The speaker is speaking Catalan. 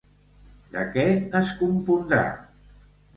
De què es compondrà?